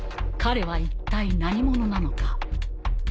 彼は一体何者なのか？